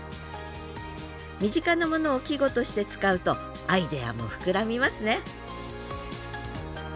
身近なものを季語として使うとアイデアも膨らみますね